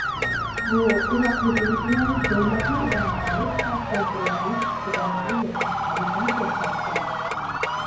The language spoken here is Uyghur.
بۇ ئىراق ھۆكۈمىتىنىڭ دۆلەتنى ئىدارە قىلىش ۋە كونترول قىلىش ئىقتىدارىنى يوقاتقانلىقىنى كۆرسەتتى.